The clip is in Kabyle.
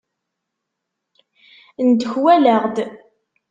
Ndekwaleɣ-d.